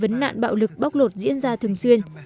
vì lo ngại vấn nạn bạo lực bóc lột diễn ra thường xuyên